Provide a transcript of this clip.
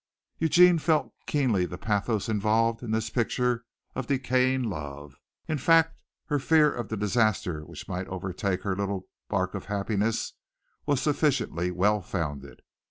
Eugene felt keenly the pathos involved in this picture of decaying love. In fact, her fear of the disaster which might overtake her little bark of happiness was sufficiently well founded.